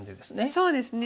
そうですね。